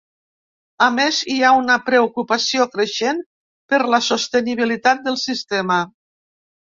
A més, hi ha una preocupació creixent per la sostenibilitat del sistema.